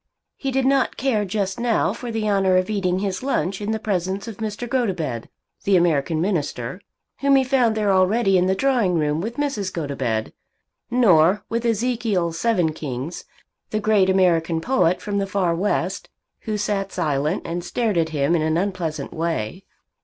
He did not care just now for the honour of eating his lunch in the presence of Mr. Gotobed, the American minister, whom he found there already in the drawing room with Mrs. Gotobed, nor with Ezekiel Sevenkings, the great American poet from the far West, who sat silent and stared at him in an unpleasant way.